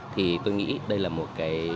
thì tôi nghĩ đây là một cái